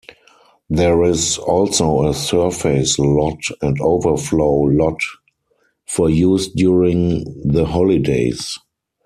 There is also a surface lot and overflow lot for use during the holidays.